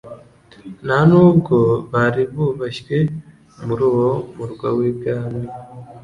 nta nubwo bari bubashywe muri uwo murwa w'i bwami.